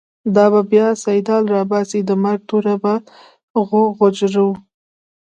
دابه بیا “سیدال” راباسی، دمرګ توره په غجرو